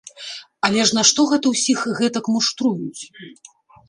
Але ж нашто гэта ўсіх гэтак муштруюць?